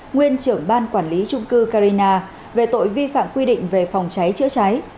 nguyên trưởng ban quản lý trung cư carina về tội vi phạm quy định về phòng cháy chữa cháy